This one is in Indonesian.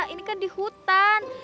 ini kan di hutan